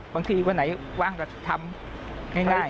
บางทีวันไหนว่างจะทำง่าย